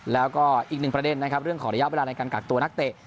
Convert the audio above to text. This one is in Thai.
แล้วก็อีกหนึ่งประเด็นนะครับเรื่องของระยะเวลาในการกักตัวนักเตะ